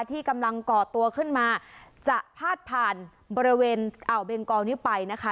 ที่กำลังก่อตัวขึ้นมาจะพาดผ่านบริเวณอ่าวเบงกอลนี้ไปนะคะ